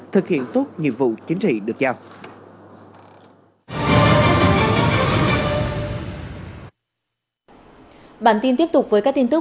thực hiện tốt nhiệm vụ chính trị được giao